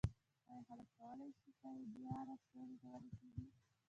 ایا خلک کولای شي پایداره سولې ته ورسیږي؟